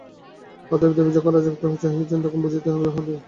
অতএব দেবী যখন রাজরক্ত চাহিয়াছেন তখন বুঝিতে হইবে, তাহা গোবিন্দমাণিক্যেরই রক্ত।